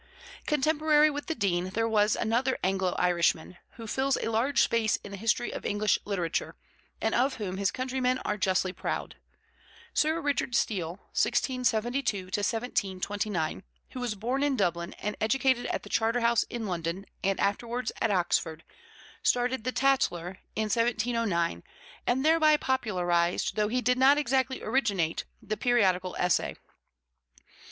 Contemporary with the Dean there was another Anglo Irishman, who fills a large space in the history of English literature, and of whom his countrymen are justly proud. Sir Richard Steele (1672 1729), who was born in Dublin and educated at the Charterhouse in London and afterwards at Oxford, started the Tatler in 1709, and thereby popularized, though he did not exactly originate, the periodical essay.